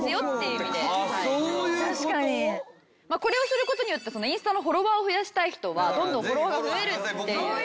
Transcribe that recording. これをする事によってインスタのフォロワーを増やしたい人はどんどんフォロワーが増えるっていう。